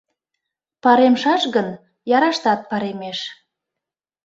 — Паремшаш гын, яраштат паремеш.